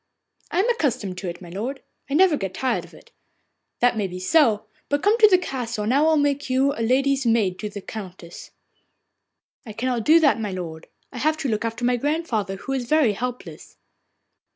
'I am accustomed to it, my lord, and I never get tired of it.' 'That may be so; but come to the castle, and I will make you lady's maid to the Countess.' 'I cannot do that, my lord. I have to look after my grandmother, who is very helpless.